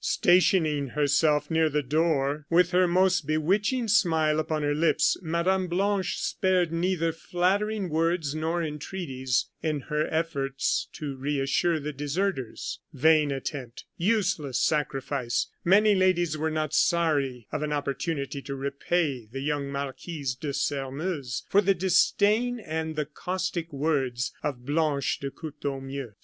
Stationing herself near the door, with her most bewitching smile upon her lips, Madame Blanche spared neither flattering words nor entreaties in her efforts to reassure the deserters. Vain attempt! Useless sacrifice! Many ladies were not sorry of an opportunity to repay the young Marquise de Sairmeuse for the disdain and the caustic words of Blanche de Courtornieu.